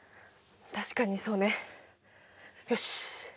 確かにそうね。よし。